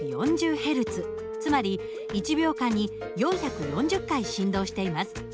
つまり１秒間に４４０回振動しています。